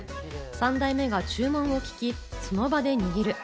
３代目が注文を聞き、その場で握る。